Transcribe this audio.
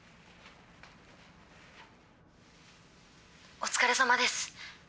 お疲れさまです。